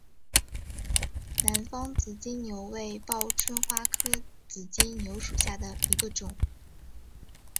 南方紫金牛为报春花科紫金牛属下的一个种。